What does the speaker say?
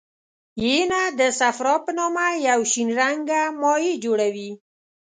ینه د صفرا په نامه یو شین رنګه مایع جوړوي.